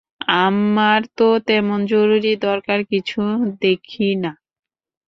আমার তো তেমন জরুরি দরকার কিছু দেখি না।